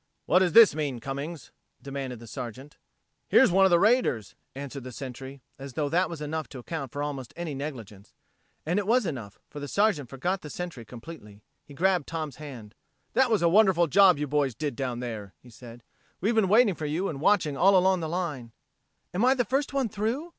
"What does this mean, Cummins?" demanded the Sergeant. "Here's one of the raiders," answered the Sentry, as though that was enough to account for almost any negligence. And it was enough, for the Sergeant forgot the Sentry completely. He grabbed Tom's hand. "That was a wonderful job you boys did down there," he said. "We've been waiting for you and watching all along the line." "Am I the first one through?"